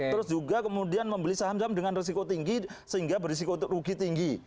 terus juga kemudian membeli saham saham dengan risiko tinggi sehingga berisiko untuk rugi tinggi